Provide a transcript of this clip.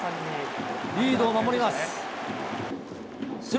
リードを守ります。